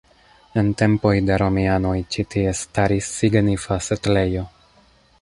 En tempoj de romianoj ĉi tie staris signifa setlejo.